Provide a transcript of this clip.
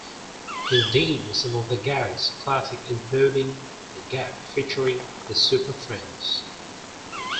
He deemed some of the gags "classic" including the gag featuring the Super Friends.